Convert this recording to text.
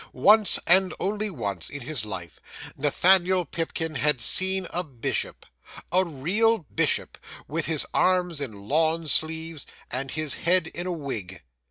Once, and only once, in his life, Nathaniel Pipkin had seen a bishop a real bishop, with his arms in lawn sleeves, and his head in a wig.